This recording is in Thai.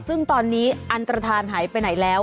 ซึ่งตอนนี้อันตรฐานหายไปไหนแล้ว